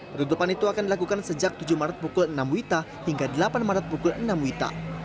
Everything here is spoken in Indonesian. penutupan itu akan dilakukan sejak tujuh maret pukul enam wita hingga delapan maret pukul enam wita